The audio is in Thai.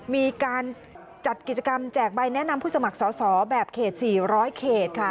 มีการจัดกิจกรรมแจกใบแนะนำผู้สมัครสอสอแบบเขต๔๐๐เขตค่ะ